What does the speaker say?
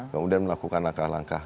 kemudian melakukan langkah langkah